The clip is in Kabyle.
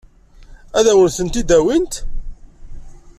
Ad wen-tent-id-awint?